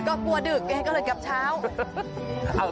ก็กลัวดึกแกก็เลยกลับเช้า